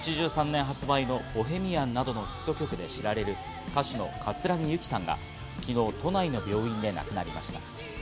１９８３年発売の『ボヘミアン』などのヒット曲で知られる歌手の葛城ユキさんが昨日、都内の病院で亡くなりました。